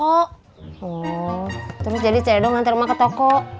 oh terus jadi cik edo ngantar emak ke toko